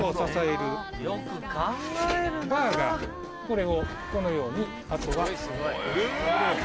これをこのようにあとは。